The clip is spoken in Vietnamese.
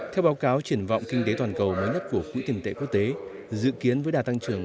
theo báo cáo triển vọng kinh tế toàn cầu mới nhất của quỹ tiền tệ quốc tế dự kiến với đà tăng trưởng